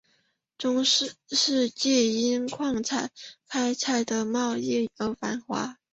中世纪因锡矿开采和贸易而繁荣。